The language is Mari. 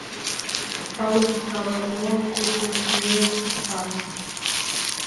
Палубышто ала-мо кочырге шокта.